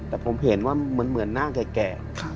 แต่ผมเห็นว่าเหมือนหน้าแก่